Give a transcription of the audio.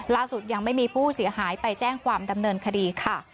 ยังไม่มีผู้เสียหายไปแจ้งความดำเนินคดีค่ะ